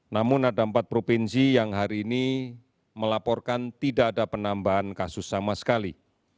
namun ada empat provinsi yang hari ini melaporkan tidak ada penambahan kasus sama sekali